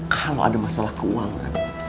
kalau ada masalah keuangan